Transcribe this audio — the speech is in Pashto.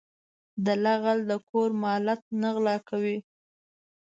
دله غل د کور مالت نه غلا کوي .